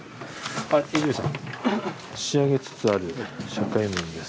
泉さん仕上げつつある社会面です。